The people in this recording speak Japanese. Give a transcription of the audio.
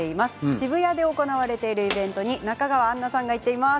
渋谷で行われているイベントに中川安奈さんが行っています。